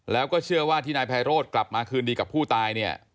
แล้วก็เชื่อว่าที่นายไพโรธกลับมาคืนดีกับผู้ตายเนี่ย